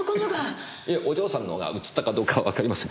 いえお嬢さんのがうつったかどうかはわかりません。